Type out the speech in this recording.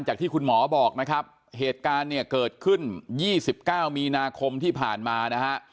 จากที่คุณหมอบอกนะครับเหตุการณ์เนี่ยเกิดขึ้น๒๙มีนาคมที่ผ่านมานะฮะ